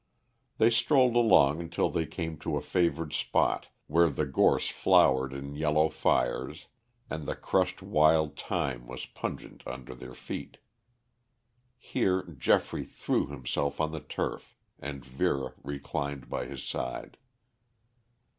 They strolled along until they came to a favored spot where the gorse flowered in yellow fires, and the crushed wild thyme was pungent under their feet. Here Geoffrey threw himself on the turf and Vera reclined by his side.